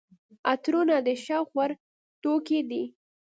عطرونه د شوق وړ توکي دي.